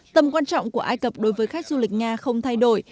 tầm quan trọng của ai cập đối với khách du lịch nga không thay đổi